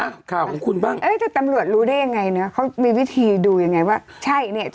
ข่าวของคุณบ้างเอ้ยแต่ตำรวจรู้ได้ยังไงเนอะเขามีวิธีดูยังไงว่าใช่เนี่ย